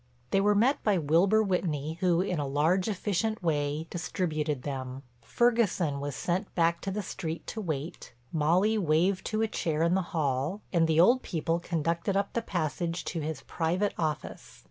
They were met by Wilbur Whitney who in a large efficient way, distributed them:—Ferguson was sent back to the street to wait, Molly waved to a chair in the hall, and the old people conducted up the passage to his private office.